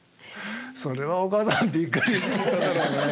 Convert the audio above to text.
それはお母さんびっくりしただろうね。